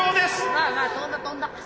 まあまあ飛んだ飛んだ。